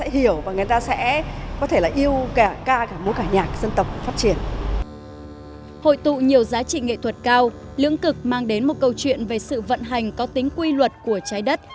hội tụ nhiều giá trị nghệ thuật cao lưỡng cực mang đến một câu chuyện về sự vận hành có tính quy luật của trái đất